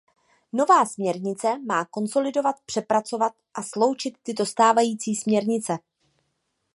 Nová směrnice má konsolidovat, přepracovat a sloučit tyto stávající směrnice.